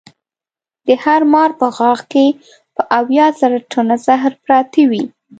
د هر مار په غاښ کې به اویا زره ټنه زهر پراته وي.